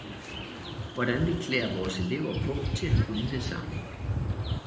hvordan vi klæder vores elever på til at kunne det samme.